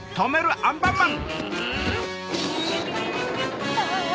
アンパンマン！